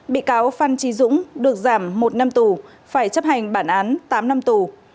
bị cáo phan trí dũng được giảm một năm tù phải chấp hành bản án tám năm tù